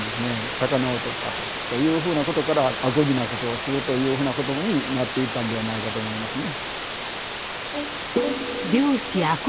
魚をとったと。というふうなことから「あこぎなことをする」というふうな言葉になっていったんではないかと思いますね。